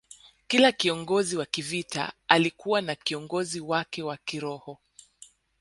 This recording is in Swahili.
Kila kiongozi wa kivita alikuwa na kiongozi wake wa kiroho